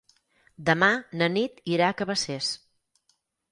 Demà na Nit irà a Cabacés.